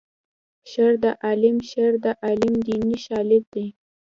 شر د عالم شر د عالم دیني شالید لري